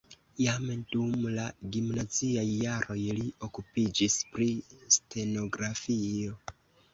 Jam dum la gimnaziaj jaroj li okupiĝis pri stenografio.